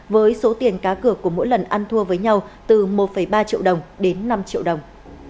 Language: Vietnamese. với số tiền cá cược của mỗi lần ăn thua với nhau từ một ba triệu đồng đến năm triệu đồng